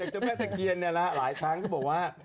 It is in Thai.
เจ้าแม่ตะเคียนเนี่ยแหละหลายครั้งก็บอกว่า